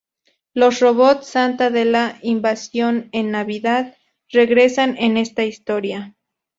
Los robots Santa de "La invasión en Navidad" regresan en esta historia.